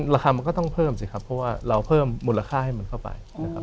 ราคามันก็ต้องเพิ่มสิครับเพราะว่าเราเพิ่มมูลค่าให้มันเข้าไปนะครับ